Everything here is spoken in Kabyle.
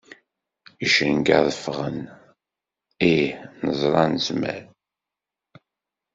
Icenga ad ffɣen, ih, neẓra nezmer.